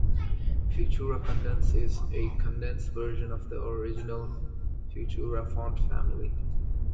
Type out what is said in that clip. Futura Condensed is a condensed version of the original Futura font family.